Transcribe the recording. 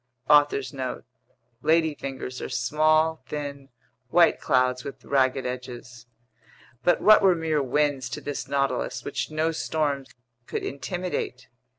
* *Author's Note: "Ladyfingers" are small, thin, white clouds with ragged edges. But what were mere winds to this Nautilus, which no storms could intimidate!